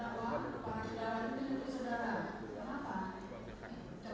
apakah dia terdakwa